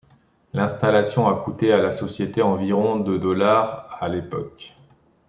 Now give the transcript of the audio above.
L'installation a coûté à la société environ de dollars à l'époque.